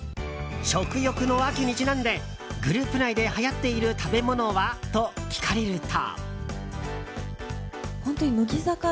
食欲の秋にちなんでグループ内ではやっている食べ物はと聞かれると。